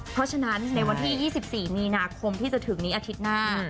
เพราะฉะนั้นในวันที่๒๔มีนาคมที่จะถึงนี้อาทิตย์หน้า